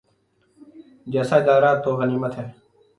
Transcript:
جیسا ادارہ تو غنیمت ہے۔